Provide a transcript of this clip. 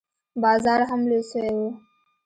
بازار هم لوى سوى و.